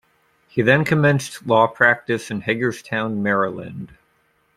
He then commenced law practice in Hagerstown, Maryland.